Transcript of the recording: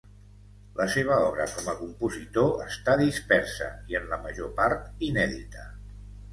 La seva obra com a compositor està dispersa i, en la major part, inèdita.